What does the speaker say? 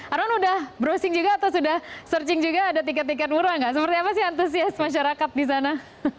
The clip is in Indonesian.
aron sudah browsing juga atau sudah searching juga ada tiket tiket murah nggak seperti apa sih antusias masyarakat di sana